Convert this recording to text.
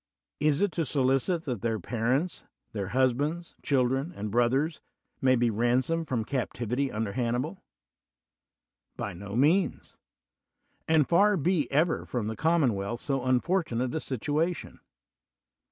Is it to solicit that their parents, their hus bands, children, and brothers may be ransomed from captivity under Hannibal? By no means: and far be ever from the com monwealth so unfortunate a situation.